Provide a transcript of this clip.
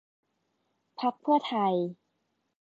พรรคเพื่อไทย